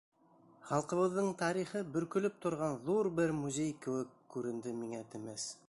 Халҡыбыҙҙың тарихы бөркөлөп торған ҙур бер музей кеүек күренде миңә Темәс.